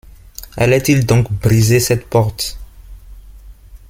Allait-il donc briser cette porte?